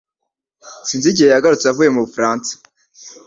Sinzi igihe yagarutse avuye mu Bufaransa